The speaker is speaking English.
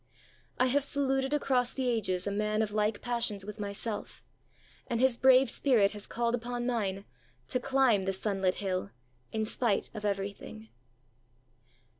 I have saluted across the ages a man of like passions with myself, and his brave spirit has called upon mine to climb the sunlit hill in spite of everything.